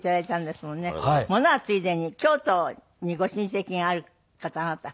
ものはついでに京都にご親戚がある方あなた？